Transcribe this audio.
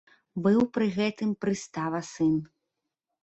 Быў пры гэтым прыстава сын.